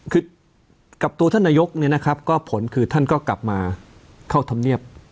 คือกับตัวท่านนายกเนี่ยนะครับก็ผลคือท่านก็กลับมาเข้าธรรมเนียบ